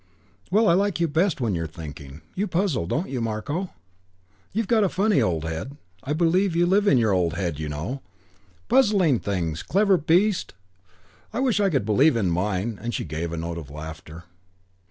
"Well, I like you best when you're thinking. You puzzle, don't you, Marko? You've got a funny old head. I believe you live in your old head, you know. Puzzling things. Clever beast! I wish I could live in mine." And she gave a note of laughter.